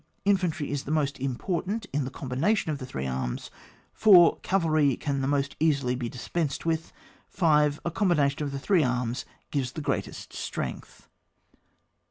Infantry is the most important in the combination of the three arms. 4. Cavalry can the most easily be dis pensed with. 5. A combination of the three aims g^ves the greatest strength.